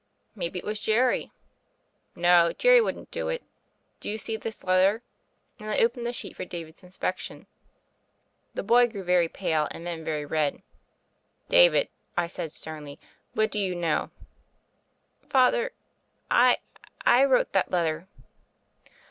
"Maybe it was Jerry." "No ; Jerry wouldn t do it. Do you see this letter?" and I opened the sheet tor David's inspection. The boy grew very pale, and then very red. "David," I said sternly, "what do you know?" "Father, I — I — ^wrote that letter."